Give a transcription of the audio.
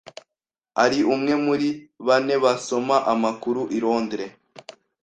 ari umwe muri bane basoma amakuru i Londres